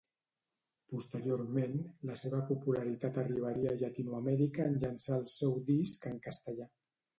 Posteriorment, la seva popularitat arribaria a Llatinoamèrica en llançar el seu disc en castellà.